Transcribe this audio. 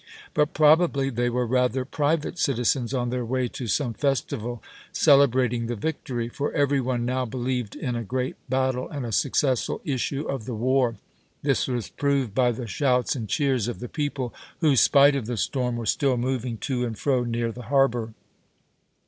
But probably they were rather private citizens on their way to some festival celebrating the victory; for every one now believed in a great battle and a successful issue of the war. This was proved by the shouts and cheers of the people, who, spite of the storm, were still moving to and fro near the harbour.